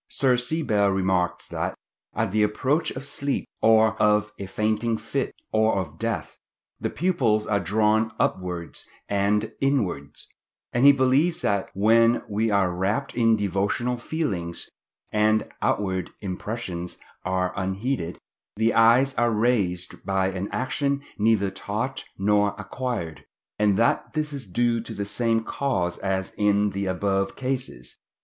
Sir C. Bell remarks that, at the approach of sleep, or of a fainting fit, or of death, the pupils are drawn upwards and inwards; and he believes that "when we are wrapt in devotional feelings, and outward impressions are unheeded, the eyes are raised by an action neither taught nor acquired." and that this is due to the same cause as in the above cases.